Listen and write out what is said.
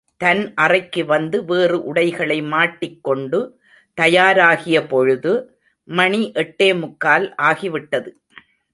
தன் அறைக்கு வந்து வேறு உடைகளை மாட்டிக் கொண்டு தயாராகிய பொழுது, மணி எட்டே முக்கால் ஆகிவிட்டது.